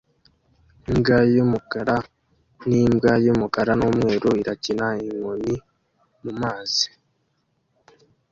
Imbwa yumukara nimbwa yumukara numweru irakina inkoni mumazi